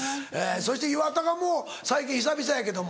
そして岩田がもう最近久々やけども。